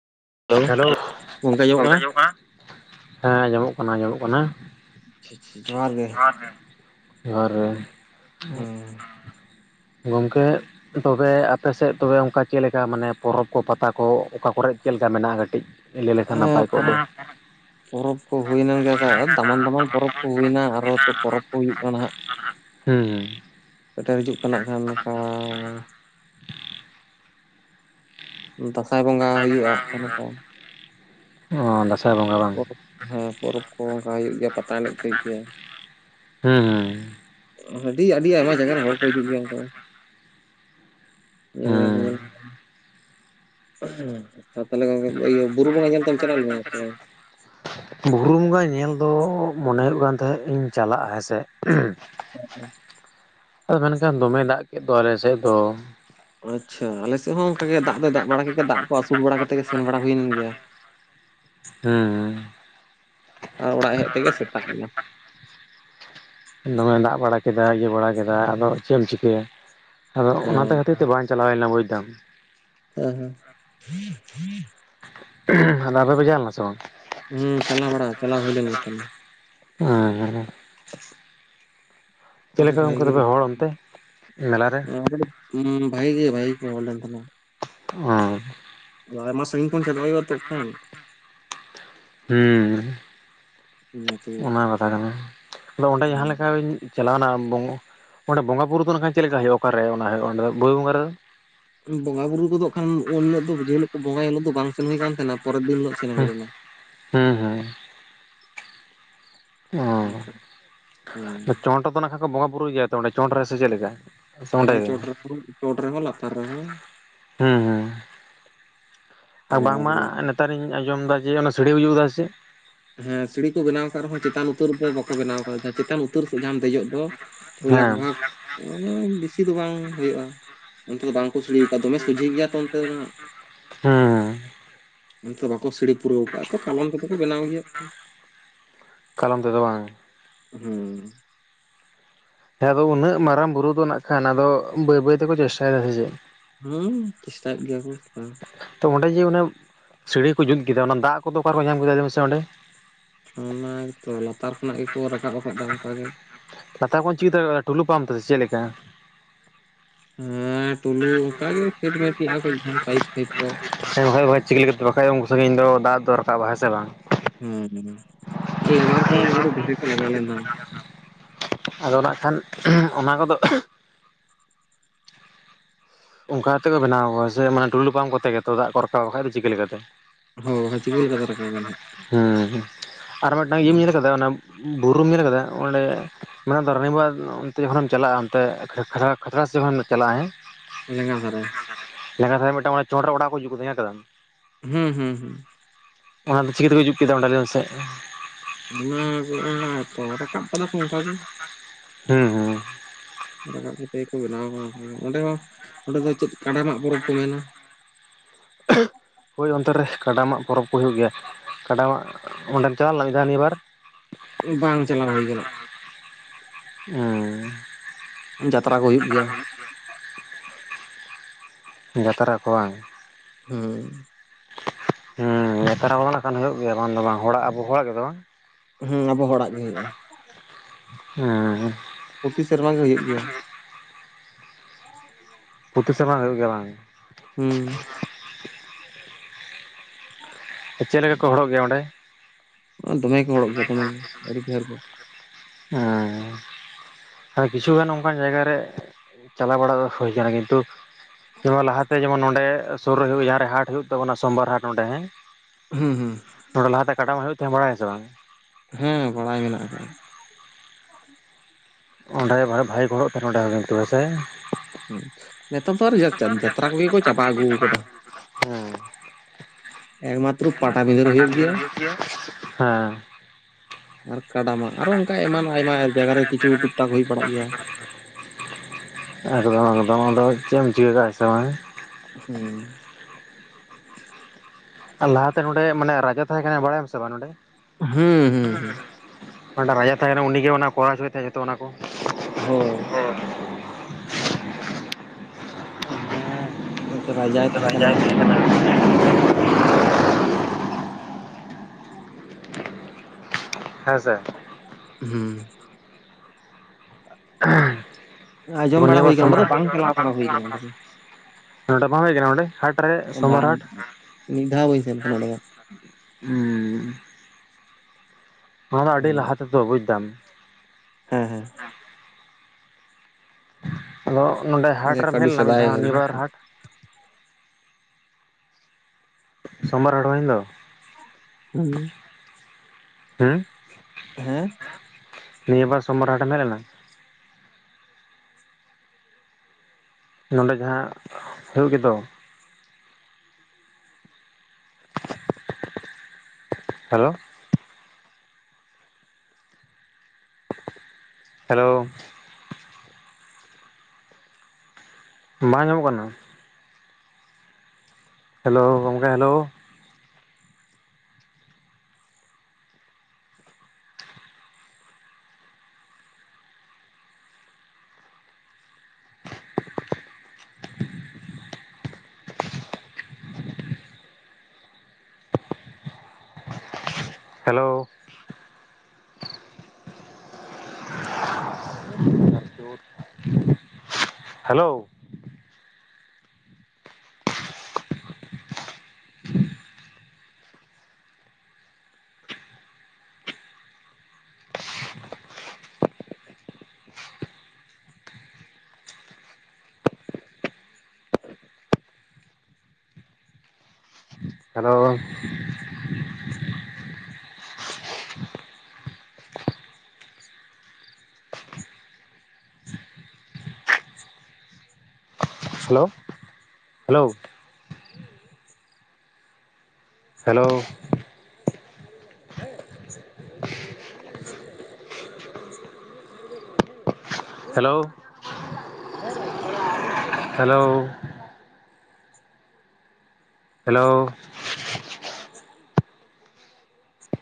Hello, ᱜᱚᱝᱠᱮ ᱟᱸᱡᱚᱢᱚᱜ ᱠᱟᱱᱟ? ᱦᱮᱸ ᱟᱸᱡᱚᱢᱚᱜ ᱠᱟᱱᱟ ᱟᱸᱡᱚᱢᱚᱜ ᱠᱟᱱᱟ᱾ [inaudible] ᱡᱚᱦᱟᱨ ᱜᱮ᱾ ᱡᱚᱦᱟᱨ ᱜᱮ᱾ ᱦᱮᱸ ᱜᱚᱝᱠᱮ ᱛᱚᱵᱮ ᱟᱯᱮ ᱥᱮᱫ ᱛᱚᱵᱮ ᱚᱱᱠᱟ ᱪᱮᱫ ᱞᱮᱠᱟ? ᱢᱟᱱᱮ ᱯᱚᱨᱚᱵᱽ ᱠᱚ, ᱯᱟᱛᱟ ᱠᱚ ᱚᱠᱟ ᱠᱚᱨᱮ ᱪᱮᱫ ᱞᱮ ᱠᱟ ᱢᱮᱱᱟᱜᱼᱟ ᱠᱟᱹᱴᱤᱡ ᱞᱟᱹᱭ ᱞᱮᱠᱷᱟᱱ ᱱᱟᱯᱟᱭ ᱠᱚ [unintelligible] ᱯᱚᱨᱚᱵᱽ ᱯᱚᱨᱚᱵᱽ ᱠᱚ ᱦᱩᱭᱱᱟ ᱜᱮ ᱫᱟᱢᱟᱱ ᱫᱟᱢᱟᱱ ᱯᱚᱨᱚᱵᱽ ᱠᱚ ᱦᱩᱭᱱᱟ ᱟᱨᱚ ᱛᱚ ᱯᱚᱨᱚᱵᱽ ᱠᱚ ᱦᱩᱭᱩᱜ ᱠᱟᱱᱟ ᱦᱟᱸᱜ᱾ [unintelligible] ᱦᱩᱸ ᱦᱩᱸ᱾ ᱥᱮᱴᱮᱨ ᱦᱤᱡᱩᱜ ᱠᱟᱱᱟ ᱦᱟᱸᱜ ᱠᱷᱟᱱ ᱱᱚᱝᱠᱟ ᱫᱟᱸᱥᱟᱭ ᱵᱚᱸᱜᱟ ᱦᱩᱭᱩᱜᱼᱟ ᱦᱟᱸᱜ ᱠᱟ ᱱᱚᱝᱠᱟ᱾ ᱦᱩᱸ, ᱚ ᱫᱟᱸᱥᱟᱭ ᱵᱚᱸᱜᱟ ᱵᱟᱝ ᱦᱮᱸ ᱯᱚᱨᱚᱵᱽ ᱠᱚ ᱚᱝᱠᱟ ᱦᱩᱭᱩᱜ ᱜᱮᱭᱟ ᱯᱟᱛᱟ ᱮᱱᱮᱡ ᱠᱚ ᱦᱩᱭᱩᱜ ᱜᱮᱭᱟ᱾ ᱦᱩᱸ ᱟᱹᱰᱤ ᱟᱹᱰᱤ ᱟᱭᱢᱟ ᱡᱟᱭᱜᱟ ᱨᱮᱱ ᱦᱚᱲ ᱠᱚ ᱦᱤᱡᱩᱜ ᱜᱮᱭᱟ ᱚᱝᱠᱟ ᱧᱮᱞ ᱢᱮᱞᱛᱮ ᱦᱩᱸ ᱧᱮᱞ᱾ [unintelligible] ᱟᱪᱪᱷᱟ ᱛᱟᱦᱚᱞᱮ ᱜᱚᱝᱠᱮ ᱤᱭᱟᱹ ᱵᱩᱨᱩ ᱵᱚᱸᱜᱟ ᱧᱮᱞ ᱫᱚᱢ ᱪᱟᱞᱟᱣ ᱞᱮᱱᱟ ᱥᱮ ᱵᱟᱝ? ᱵᱷᱩᱨᱩ ᱵᱚᱸᱜᱟ ᱧᱮᱞ ᱫᱚ ᱢᱚᱱᱮ ᱦᱩᱭᱩᱜ ᱠᱟᱱ ᱛᱟᱦᱮᱸᱫ ᱤᱧ ᱪᱟᱞᱟᱜ-ᱟ ᱦᱮᱸᱥᱮ, [inaudible] ᱟᱫᱚ ᱢᱮᱱᱠᱷᱟᱱ ᱫᱚᱢᱮ ᱫᱟᱜ ᱠᱮᱫ ᱫᱚ ᱟᱞᱮ ᱥᱮᱫ ᱫᱚ᱾ ᱟᱪᱷᱟ ᱟᱞᱮ ᱥᱮᱫ ᱦᱚᱸ ᱚᱱᱠᱟ ᱜᱮ ᱫᱟᱜ ᱫᱚ ᱫᱟᱜ ᱵᱟᱲᱟ ᱠᱮᱜ ᱜᱮᱭᱟ᱾ ᱫᱟᱜ ᱠᱚ ᱟᱹᱥᱩᱲ ᱵᱟᱲᱟ ᱠᱟᱛᱮᱜ ᱜᱮ ᱥᱮᱱ ᱵᱟᱲᱟ ᱦᱩᱭ ᱞᱮᱱ ᱜᱮᱭᱟ᱾ ᱦᱮᱸ᱾ ᱟᱨ ᱚᱲᱟᱜ ᱦᱮᱡ ᱛᱮᱜᱮ ᱥᱮᱛᱟᱜ ᱮᱱᱟ᱾ ᱫᱚᱢᱮ ᱫᱟᱜ ᱵᱟᱲᱟ ᱠᱮᱫᱟ, ᱤᱭᱟᱹ ᱵᱟᱲᱟ ᱠᱮᱫᱟᱭ, ᱟᱫᱚ ᱪᱮᱫ ᱮᱢ ᱪᱤᱠᱟᱹᱭᱟ? ᱟᱫᱚ ᱚᱱᱟᱛᱮ ᱦᱮᱸ ᱠᱷᱟᱹᱛᱤᱨ ᱛᱮ ᱵᱟᱝ ᱪᱟᱞᱟᱣ ᱦᱩᱭ ᱞᱮᱱᱟ ᱵᱩᱡᱽᱫᱟᱢ᱾ ᱦᱮᱸ ᱦᱮᱸ᱾ ᱛᱟᱦᱚᱞᱮ ᱟᱯᱮ ᱯᱮ ᱪᱟᱞᱟᱣ ᱞᱮᱱᱟ ᱥᱮ ᱵᱟᱝ? ᱦᱩᱸ ᱪᱟᱞᱟᱣ ᱵᱟᱲᱟ ᱪᱟᱞᱟᱣ ᱦᱩᱭ ᱞᱮᱱ ᱜᱮ ᱛᱟᱦᱮᱸᱱᱟ᱾ [inaudible] ᱪᱮᱫ ᱟᱹᱰᱤ ᱞᱮᱠᱟ ᱵᱷᱟᱜᱤ ᱜᱚᱝᱠᱮ ᱜᱮ ᱛᱚᱵᱮ ᱦᱚᱲ, ᱚᱱᱛᱮ ᱢᱮᱞᱟᱨᱮ? ᱦᱩᱸ ᱵᱷᱟᱜᱮ ᱜᱮ ᱵᱷᱟᱜᱮ, ᱜᱮ ᱠᱚ ᱦᱚᱲ ᱞᱮᱱ ᱛᱟᱠᱣᱭᱟ᱾ ᱚᱻ ᱟᱫᱚ ᱟᱭᱢᱟ ᱥᱟᱹᱜᱤᱧ ᱠᱷᱚᱱ [unintelligible] ᱦᱩᱭᱩᱜ-ᱟ ᱛᱩᱯᱩᱱ᱾ ᱦᱩᱸᱻ ᱚᱱᱟᱛᱮ ᱚᱱᱟᱦ ᱠᱟᱛᱷᱟ ᱠᱟᱱᱟ, ᱟᱫᱚ ᱚᱸᱰᱮ ᱡᱟᱦᱟᱸ ᱞᱮᱠᱟ ᱵᱤᱱ ᱪᱟᱞᱟᱣᱱᱟ ᱵᱩᱱ ᱚᱸᱰᱮ ᱵᱚᱸᱜᱟ ᱵᱩᱨᱩ ᱫᱚ ᱱᱟᱜᱠᱷᱟᱱ ᱪᱮᱫ ᱞᱮᱠᱟ ᱦᱩᱭᱩᱜᱼᱟ? ᱚᱠᱟᱨᱮ ᱚᱱᱟ ᱦᱩᱭᱩᱜᱼᱟ? ᱚᱸᱰᱮ ᱫᱚ ᱵᱩᱦᱤ ᱵᱚᱸᱜᱟ ᱨᱮᱫᱚ? ᱵᱚᱸᱜᱟ ᱵᱩᱨᱩ ᱠᱚᱫᱚ ᱠᱷᱟᱱ, ᱩᱱ ᱦᱤᱞᱚᱜ ᱫᱚ ᱡᱮ ᱦᱤᱞᱳᱜ ᱠᱚ ᱵᱚᱸᱜᱟᱭᱟ ᱩᱱ ᱦᱤᱞᱳᱜ ᱫᱚ ᱵᱟᱝ ᱥᱮᱱ ᱦᱩᱭ ᱠᱟᱱ ᱛᱟᱦᱮᱱᱟ, ᱯᱚᱨᱮ ᱫᱤᱱ ᱦᱤᱞᱳᱜ ᱥᱮᱱ ᱦᱩᱭ ᱞᱮᱱᱟ᱾ ᱦᱮᱸ ᱦᱮᱸ᱾ ᱚᱱᱠᱟ ᱦᱮᱸ ᱚᱻ ᱪᱚᱸᱰ ᱫᱚ ᱱᱟ ᱠᱷᱟ ᱠᱚ ᱵᱚᱸᱜᱟ ᱵᱩᱨᱩᱭ ᱜᱮᱭᱟ ᱛᱚ, ᱚᱸᱰᱮ ᱪᱚᱸᱰ ᱨᱮ ᱥᱮ ᱪᱮᱫ ᱞᱮᱠᱟ? ᱥᱮ ᱚᱸᱰᱮ ᱦᱮᱸ ᱜᱮ ᱪᱚᱴ ᱨᱮᱦᱚ, ᱞᱟᱛᱟᱨ ᱨᱮᱦᱚ᱾ ᱦᱩᱸ ᱦᱩᱸ ᱟᱨ ᱵᱟᱝᱢᱟ ᱱᱮᱛᱟᱨᱤᱧ ᱟᱸᱡᱚᱢ ᱮᱫᱟ ᱡᱮ, ᱚᱱᱟ ᱥᱤᱲᱤ ᱠᱚ ᱡᱩᱫᱟ ᱥᱮ ᱪᱮᱫ? ᱦᱮᱸ ᱥᱤᱲᱤ ᱠᱚ ᱵᱮᱱᱟᱣ ᱟᱠᱟᱫ ᱨᱮᱦᱚᱸ, ᱪᱮᱛᱟᱱ ᱩᱛᱟᱹᱨ ᱫᱚ ᱵᱟᱠᱚ ᱵᱮᱱᱟᱣ ᱟᱠᱟᱫᱟ, ᱪᱮᱛᱟᱱ ᱩᱛᱟᱹᱨ ᱥᱮᱫ ᱡᱟᱦᱟᱢ ᱫᱮᱡᱚᱜ ᱫᱚ᱾ ᱳᱭ ᱞᱟᱠ ᱦᱮᱸ ᱵᱷᱟᱜᱽ ᱳᱭ ᱵᱮᱥᱤ ᱫᱚ ᱵᱟᱝ ᱦᱳᱭᱳᱜᱼᱟ᱾ ᱚᱱᱛᱮ ᱫᱚ ᱵᱟᱝ ᱠᱩ ᱥᱤᱲᱤ ᱠᱟᱫ, ᱫᱚᱢᱮ ᱥᱚᱡᱷᱮ ᱜᱮᱭᱟ ᱛᱚ ᱚᱱᱛᱮ ᱫᱚ ᱦᱟᱜ ᱦᱩᱸ ᱚᱱᱛᱮ ᱫᱚ ᱵᱟᱠᱚ ᱥᱤᱲᱤ ᱯᱩᱨᱟᱹᱣ ᱠᱟᱜᱼᱟ, ᱛᱚ ᱠᱟᱞᱚᱢ ᱛᱮᱫ ᱠᱚ ᱵᱮᱱᱟᱣ ᱜᱮᱭᱟ᱾ ᱠᱟᱞᱚᱢ ᱛᱮᱫᱚ ᱵᱟᱝ᱾ ᱦᱩᱸᱻ ᱦᱮᱸ ᱟᱫᱚ ᱩᱱᱟᱹᱜ ᱢᱟᱨᱟᱝ ᱵᱩᱨᱩ ᱫᱚ ᱱᱟᱜ ᱠᱷᱟᱱ, ᱟᱫᱚ ᱵᱟᱹᱭ ᱵᱟᱹᱭ ᱛᱮᱠᱚ ᱪᱮᱥᱴᱟᱭ ᱫᱟ ᱥᱮ ᱪᱮᱫ, ᱦᱩᱸ ᱪᱮᱥᱴᱟᱭᱮᱫ ᱜᱮᱭᱟ ᱠᱚ, ᱦᱩᱸ ᱛᱚ ᱚᱸᱰᱮ ᱡᱮ ᱚᱱᱟ ᱥᱤᱲᱤ ᱠᱚ ᱡᱩᱛ ᱠᱮᱫᱟ, ᱚᱱᱟ ᱫᱟᱜ ᱠᱚᱫᱚ ᱚᱠᱟᱨᱮ ᱠᱚ ᱧᱟᱢ ᱠᱮᱫᱟ ᱞᱟᱹᱭ ᱢᱮᱥᱮ ᱚᱸᱰᱮ? ᱚᱱᱟ ᱜᱮ ᱛᱚ, ᱞᱟᱛᱟᱨ ᱠᱷᱚᱱᱟᱜ ᱜᱮᱠᱚ ᱨᱟᱠᱟᱵ ᱟᱠᱟᱫᱟᱫᱟ ᱚᱱᱠᱟ ᱜᱮ᱾ ᱞᱟᱛᱟᱨ ᱠᱷᱚᱱ ᱪᱤᱠᱟᱹᱛᱮ ᱴᱩᱞᱩ ᱯᱟᱢᱯ ᱛᱮ ᱥᱮ ᱪᱮᱫ ᱞᱮᱠᱟ? ᱦᱮᱸ [unintelligible] ᱦᱮ ᱴᱩᱞᱩ ᱚᱱᱠᱟ ᱜᱮ ᱥᱮᱴᱢᱮᱴ ᱞᱟᱜᱼᱟ ᱠᱚ ᱡᱟᱦᱟᱱ ᱯᱟᱭᱤᱯ ᱯᱷᱟᱭᱤᱯ ᱠᱚ ᱠᱟᱠᱷᱟᱪ ᱫᱚ ᱵᱟ ᱪᱤᱠᱟᱹ ᱞᱮᱠᱟᱛᱮ ᱦᱳᱭ ᱵᱟᱠᱷᱟᱱᱡ ᱩᱱᱠᱩ ᱥᱚᱸᱜ ᱤᱧ ᱫᱚ ᱫᱟᱜ ᱫᱚ ᱨᱟᱠᱟᱵᱟ ᱥᱮ ᱵᱟᱝ? ᱦᱮᱸ ᱦᱮᱸ ᱟᱨ ᱞᱮᱵᱟᱨ ᱠᱚᱦᱚᱸ [unintelligible] ᱰᱷᱮᱨ ᱠᱚ ᱞᱟᱜᱟᱣ ᱞᱮᱱᱟ ᱟᱫᱚ ᱱᱟᱜ ᱠᱷᱟᱱ, ᱚᱱᱟ ᱠᱚᱫᱚ ᱚᱱᱠᱟ ᱠᱟᱛᱮᱠᱚ ᱵᱮᱱᱟᱣ ᱠᱟᱫᱟ ᱥᱮ ᱢᱮ ᱴᱩᱤᱞᱩ ᱯᱟᱢᱯ ᱠᱚᱛᱮ ᱜᱮᱛ, ᱫᱟᱜ ᱠᱚ ᱨᱟᱠᱟᱵ ᱵᱟᱠᱷᱟᱡ ᱫᱚ ᱪᱤᱠᱟᱹ ᱞᱮᱠᱟᱛᱮ? ᱦᱳᱭ ᱪᱤᱠᱟᱹ ᱞᱮᱠᱟᱛᱮ ᱨᱟᱠᱟᱵ ᱮᱱ ᱦᱟᱸᱜ ᱩᱢᱸ ᱦᱩᱸ ᱟᱨ ᱢᱤᱫᱴᱟᱝ ᱤᱭᱟᱹᱢ ᱧᱮᱞ ᱠᱟᱫᱟ ᱚᱱᱟ ᱵᱩᱨᱩᱢ ᱧᱮᱞ ᱟᱠᱟᱫᱟ ᱚᱸᱰᱮ ᱢᱮᱱ ᱫᱚ ᱨᱟᱱᱤᱵᱟᱨ ᱚᱱᱛᱮ ᱡᱚᱠᱷᱚᱱᱮᱢ ᱪᱟᱞᱟᱜᱼᱟ, ᱚᱱᱛᱮ ᱠᱷᱟᱛᱲᱟ ᱠᱷᱟᱛᱲᱟ ᱥᱮᱫ ᱡᱚᱠᱷᱚᱱᱮᱢ ᱪᱟᱞᱟᱜᱼᱟ ᱦᱮᱸ, ᱞᱮᱸᱜᱟ ᱫᱷᱟᱨᱮ, ᱞᱮᱸᱜᱟ ᱫᱷᱟᱨᱮ ᱢᱤᱫᱴᱟᱝ ᱚᱱᱵᱮ ᱪᱚᱴ ᱨᱮ ᱳᱲᱟᱜ ᱠᱚ ᱡᱩᱫ ᱠᱟᱫᱟ, ᱧᱮᱞ ᱠᱟᱫᱟᱢ? ᱦᱩᱸ ᱦᱩᱸ ᱦᱩᱸ, ᱚᱱᱟ ᱫᱚ ᱪᱤᱠᱟᱹᱛᱮᱠᱚ ᱡᱩᱫ ᱠᱮᱫᱟ, ᱚᱸᱰᱮ ᱞᱟᱭ ᱢᱮ ᱥᱮ? [unintelligible] ᱨᱟᱠᱟᱯ ᱠᱟᱫᱟ ᱠᱚ ᱚᱱᱠᱟ ᱜᱮ᱾ ᱦᱮᱸ ᱦᱮᱸ, ᱨᱟᱠᱟᱵ ᱠᱟᱛᱮ ᱜᱮᱠᱚ ᱵᱮᱱᱟᱣᱟ ᱠᱟᱫᱟ, ᱚᱸᱰᱮ ᱦᱚᱸ ᱚᱸᱰᱮ ᱫᱚ ᱪᱮᱫ ᱠᱟᱰᱟ ᱢᱟᱜ ᱯᱚᱨᱚᱵᱽ ᱠᱚ ᱢᱮᱱᱟ? [unintelligible] ᱦᱳᱭ ᱚᱱᱛᱮ ᱨᱮ, ᱠᱟᱰᱟ ᱢᱟᱜ ᱯᱚᱨᱚᱵᱽ ᱠᱚ ᱦᱩᱭᱩᱜ ᱜᱮᱭᱟ, ᱠᱟᱰᱟᱢᱟᱜ ᱚᱸᱰᱮᱢ ᱪᱟᱞᱟᱣ ᱞᱮᱱᱟ ᱢᱤᱫ ᱫᱷᱟᱣ ᱱᱤᱭᱟᱹ ᱵᱟᱨ? ᱵᱟᱝ ᱪᱟᱞᱟᱣ ᱦᱩᱭ ᱟᱠᱟᱱᱟ᱾ ᱚᱻ ᱡᱟᱛᱨᱟ ᱠᱚ ᱦᱩᱭᱩᱜ ᱜᱮᱭᱟ, ᱡᱟᱛᱨᱟ ᱠᱚ ᱵᱟᱝ? ᱦᱩᱸ, [inaudible] ᱦᱩᱸ ᱱᱮᱛᱟᱨ ᱟᱢᱚᱞ ᱞᱮᱠᱷᱟᱱ ᱦᱩᱭᱩᱜ ᱜᱮᱭᱟ ᱵᱟᱝ ᱫᱚ ᱵᱟᱝ ᱦᱚᱲᱟᱜ ᱟᱵᱚ ᱦᱚᱲᱟᱜ ᱜᱮᱫᱚ ᱵᱟᱝ? ᱦᱩᱸ ᱟᱵᱚ ᱦᱚᱲᱟᱜ ᱜᱮ ᱦᱩᱭᱩᱜᱼᱟ ᱾ [inaudible] ᱦᱩᱸ ᱯᱨᱚᱛᱤ ᱥᱮᱨᱢᱟ ᱜᱮ ᱦᱩᱭᱩᱜ ᱜᱮᱭᱟ ᱾ ᱯᱨᱟᱛᱤ ᱥᱮᱨᱢᱟ ᱜᱮ ᱦᱩᱭᱩᱜ ᱜᱮᱭᱟ ᱵᱟᱝ? ᱦᱩᱸ᱾ [inaudible] ᱪᱮᱜ ᱞᱮᱠᱟ ᱠᱚ ᱦᱚᱲᱚᱜ ᱜᱮᱭᱟ ᱚᱸᱰᱮ? ᱫᱚᱢᱮ ᱠᱚ ᱦᱚᱲᱚᱜ ᱜᱮᱭᱟ ᱫᱚᱢᱮ ᱜᱮ ᱟᱹᱰᱤ ᱰᱷᱮᱨ ᱜᱚ ᱾ ᱦᱮᱸ ᱟᱨ ᱠᱤᱪᱷᱩᱜᱟᱱ ᱚᱱᱠᱟᱱ ᱡᱟᱭᱜᱟ ᱨᱮ ᱪᱟᱞᱟᱣ ᱵᱟᱲᱟ ᱫᱚ ᱦᱳᱭ ᱠᱟᱱᱟ ᱠᱤᱱᱛᱩ ᱱᱟᱣᱟ ᱞᱟᱦᱟᱛᱮ ᱡᱮᱢᱚᱱ ᱱᱚᱸᱰᱮ ᱥᱩᱨ ᱨᱮ ᱦᱩᱭᱩᱜ ᱡᱟᱦᱟᱸ ᱨᱮ ᱦᱟᱴ ᱦᱩᱭᱩᱜ ᱛᱟᱵᱚ ᱥᱳᱢᱵᱟᱨ ᱦᱟᱴ ᱱᱚᱰᱮ ᱦᱮᱸ ᱦᱩᱸ ᱦᱩᱸ ᱾ ᱱᱚᱰᱮ ᱞᱟᱦᱟᱛᱮ ᱠᱟᱰᱟᱢᱟᱜ ᱦᱳᱭᱳᱜ ᱛᱟᱦᱮᱸᱫ ᱵᱟᱲᱟᱭᱟᱢ ᱥᱮ ᱵᱟᱝ? ᱦᱮᱸ ᱵᱟᱲᱟᱭ ᱢᱮᱱᱟᱜ ᱠᱟᱜᱼᱟ ᱾ ᱚᱸᱰᱮ ᱵᱷᱟᱭᱮ ᱵᱷᱟᱭᱮ ᱠᱚ ᱦᱚᱲᱚᱜ ᱛᱟᱦᱮᱸ ᱱᱚᱸᱰᱮ ᱦᱚᱸ ᱠᱤᱱᱛᱩ ᱦᱮᱥᱮ? [unintelligible] ᱦᱮᱸ ᱱᱮᱛᱟᱨ ᱫᱚ ᱟᱨ ᱥᱟᱠᱨᱟᱛ [inaudible] ᱡᱟᱛᱨᱟ ᱠᱚᱜᱮ ᱠᱚ ᱪᱟᱵᱟ ᱟᱹᱜᱩ ᱟᱠᱟᱫᱟ ᱠᱟᱜᱼᱟ ᱮᱠᱢᱟᱛᱨᱚ [inaudible] ᱮᱠ ᱢᱟᱛᱨᱳ ᱯᱟᱴᱟᱵᱤᱸᱫᱟᱹ ᱦᱩᱭᱩᱜ ᱯᱟᱴᱟᱵᱤᱫᱟᱹ ᱨᱮ ᱦᱳᱭᱳᱜ ᱜᱮᱭᱟ [inaudible] ᱦᱩᱸ ᱾ ᱟᱨ ᱠᱟᱰᱟ ᱢᱟᱜ ᱾ ᱠᱟᱰᱟ ᱢᱟᱜ ᱟᱨᱚ ᱚᱱᱠᱟ ᱟᱭᱢᱟ ᱟᱭᱢᱟ ᱡᱟᱭᱜᱟ ᱨᱮ ᱴᱟᱠ ᱦᱩᱭ ᱵᱟᱲᱟᱜ ᱜᱮᱭᱟ [unintelligible] [inaudible] ᱟᱫᱚ ᱚᱱᱟ ᱠᱚᱫᱚ ᱢᱟᱫᱚ ᱪᱮᱜ ᱮᱢ ᱪᱤᱠᱟᱹ ᱠᱟᱜᱼᱟ ᱦᱮᱸᱥᱮ ᱵᱟᱝ ᱾ ᱦᱩᱸ ᱞᱟᱦᱟ ᱛᱮ ᱱᱚᱰᱮ ᱢᱟᱱᱮ ᱨᱟᱡᱟ ᱛᱟᱦᱮᱸ ᱠᱟᱱᱟᱭ ᱵᱟᱲᱟᱭᱟᱢ ᱥᱮ ᱵᱟᱝ ᱱᱚᱰᱮ? ᱦᱩᱸ ᱦᱩᱸ ᱾ [inaudible] ᱚᱰᱮ ᱨᱟᱡᱟ ᱛᱟᱦᱮᱸ ᱠᱟᱱᱟ ᱩᱱᱤᱜᱮ ᱚᱱᱟ ᱠᱚᱨᱟ ᱪᱚᱭ ᱛᱟᱭᱟ ᱡᱚᱛᱚ ᱚᱱᱟ ᱠᱚ [inaudible] ᱦᱳᱭ ᱾ [inaudible] ᱢᱤᱜᱴᱮᱡ ᱨᱟᱡᱟᱭ ᱛᱟᱦᱮᱸ ᱠᱟᱱᱟ ᱚᱸᱰᱮ ᱫᱚ ᱾ [inaudible] ᱦᱮᱸ ᱥᱮ ᱾ ᱦᱩᱸ᱾ [unintelligible] ᱫᱚ ᱱᱤᱭᱟᱹᱵᱟᱨ ᱢᱟᱨᱟᱝ ᱦᱳᱭ ᱠᱚᱜᱼᱟ ᱚᱸᱰᱮ ᱫᱚ ᱵᱟᱝ ᱪᱟᱞᱟᱣ ᱵᱟᱲᱟ ᱦᱩᱭ ᱠᱟᱱᱟ [inaudible] ᱱᱚᱸᱰᱮ ᱵᱟᱢ ᱡᱮᱡ ᱠᱟᱱᱟ ᱚᱸᱰᱮ ᱦᱟᱴ ᱾ ᱵᱟᱢ ᱵᱟᱢ ᱢᱤᱫ ᱫᱷᱟᱣ ᱵᱟᱹᱧ ᱥᱮᱱ ᱠᱟᱱᱟ ᱚᱸᱰᱮ ᱫᱚ ᱾ ᱦᱩᱸᱻ ᱱᱚᱣᱟ ᱫᱚ ᱟᱹᱰᱤ ᱞᱟᱦᱟ ᱛᱮᱫᱚ ᱵᱩᱡ ᱫᱟᱢ ᱾ ᱦᱮᱸ ᱦᱮᱸ ᱾ ᱟᱫᱚ ᱱᱚᱰᱮ ᱦᱟᱴ ᱚᱸᱰᱮ ᱨᱮᱢ ᱦᱮᱡ ᱟᱹᱰᱤ ᱞᱮᱱᱟ ᱢᱤᱫ ᱥᱮᱫᱟᱭ ᱫᱷᱟᱣ ᱦᱩᱭ ᱱᱤᱵᱟᱨ ᱟᱠᱚ᱾ ᱦᱟᱴ ᱾ ᱥᱚᱢᱵᱟᱨ ᱚᱨ ᱦᱩᱭᱮᱱ ᱫᱚ ᱾ ᱦᱩᱸ [inaudible] ᱦᱩᱸ ᱾ ᱦᱮᱸ [inaudible] ᱱᱤᱭᱟ ᱵᱟᱨ ᱥᱚᱢᱵᱟᱨ ᱦᱟᱴᱮᱢ ᱦᱮᱡ ᱞᱮᱱᱟ? ᱱᱚᱸᱰᱮ ᱡᱟᱦᱟᱸ [inaudible] ᱦᱩᱭᱩᱜ ᱜᱮᱫᱚ ᱾ [inaudible] ᱦᱮᱞᱳ ᱾ ᱦᱮᱞᱳ, ᱵᱟᱝ ᱧᱟᱢᱚᱜ ᱠᱟᱱᱟ ᱾ ᱦᱮᱞᱳ ᱜᱚᱢᱠᱮ hello. Hello, [unintelligible] hello, hello, hello, hello. Hello, hello, hello, hello,